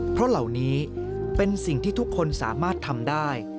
เพราะเหล่านี้เป็นสิ่งที่ทุกคนสามารถทำได้